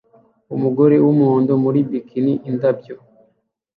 Umugore wumuhondo muri bikini-indabyo